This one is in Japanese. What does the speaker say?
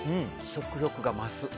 食欲が増す。